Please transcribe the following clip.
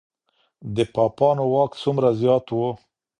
د پاپانو واک څومره زیات و؟